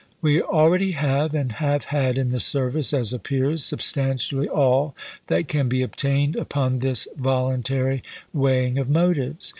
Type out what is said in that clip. We already have, and have had in the service, as appears, substantially all that can be obtained upon this voluntary weigh ing of motives.